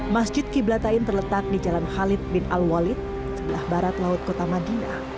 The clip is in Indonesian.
masjid qiblatain terletak di jalan khalid bin al walid sebelah barat laut kota madinah